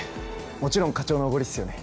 「もちろん課長のおごりっすよね」